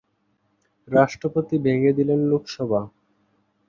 রাষ্ট্রপতি ভেঙে দিলেন লোকসভা।